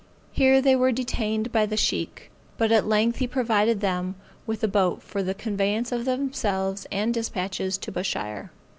Here they were detained by the Sheikh, but at length he provided them with a boat for the conveyance of themselves and dispatches to Bushire.